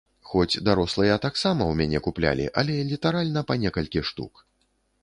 Хоць дарослыя таксама ў мяне куплялі, але літаральна па некалькі штук.